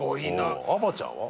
あばちゃんは？